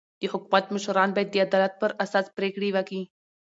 د حکومت مشران باید د عدالت پر اساس پرېکړي وکي.